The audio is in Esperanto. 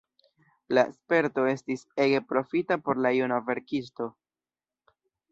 La sperto estis ege profita por la juna verkisto.